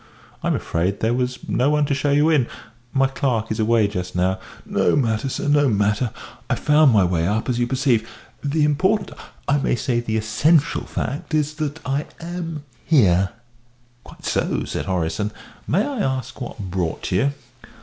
"I'm afraid there was no one to show you in my clerk is away just now." "No matter, sir, no matter. I found my way up, as you perceive. The important, I may say the essential, fact is that I am here." "Quite so," said Horace, "and may I ask what brought you?"